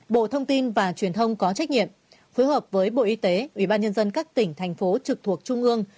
bộ thông tin và truyền thông có trách nhiệm phối hợp với bộ y tế ubnd các tỉnh thành phố trực thuộc trung ương